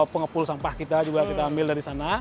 pengepul sampah kita juga kita ambil dari sana